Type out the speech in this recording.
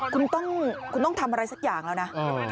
คุณต้องทำอะไรสักอย่างแล้วนะ